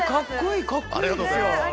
ありがとうございます。